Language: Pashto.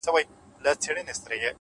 هره تېروتنه د نوي فهم دروازه ده’